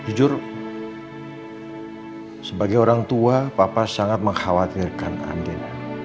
jujur sebagai orang tua papa sangat mengkhawatirkan andin